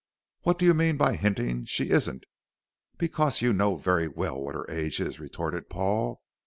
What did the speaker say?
"What do you mean by hinting she isn't?" "Because you know very well what her age is," retorted Paul.